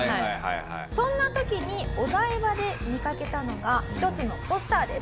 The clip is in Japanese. そんな時にお台場で見かけたのが一つのポスターです。